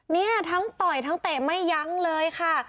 เนี่ยทั้งต่อยทั้งเตะไม่ยั้งเลยค่ะ